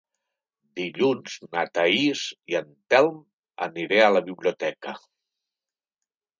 Dilluns na Thaís i en Telm aniré a la biblioteca.